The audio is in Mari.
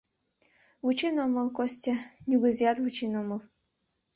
Вучен омыл, Костя, нигузеат вучен омыл.